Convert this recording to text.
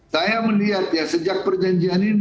saya melihat ya sejak perjanjian ini